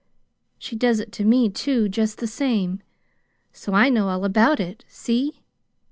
She does it to me, too, just the same. So I know all about it. See?"